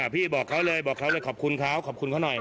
พี่บอกเขาเลยบอกเขาเลยขอบคุณเขาขอบคุณเขาหน่อย